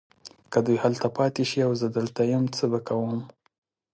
که دوی هلته پاته شي او زه دلته یم څه به کوم؟